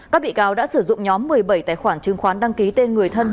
các bị cáo đã sử dụng nhóm một mươi bảy tài khoản chứng khoán đăng ký tên người thân